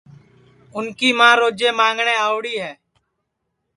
اُن کی ماں روجے مانٚگٹؔے آوڑی ہے